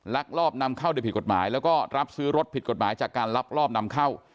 ลักลอบนำเข้าโดยผิดกฎหมายแล้วก็รับซื้อรถผิดกฎหมายจากการลักลอบนำเข้า